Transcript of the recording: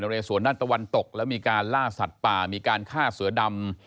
เรสวนด้านตะวันตกแล้วมีการล่าสัตว์ป่ามีการฆ่าเสือดำ